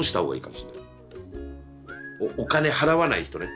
お金払わない人ね。